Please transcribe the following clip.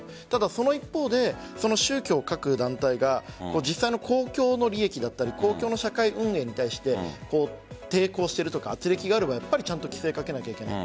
その一方で宗教、各団体が実際の公共の利益だったり公共の社会運営に対して抵抗しているとかあつれきがあるとか規制をかけないといけない。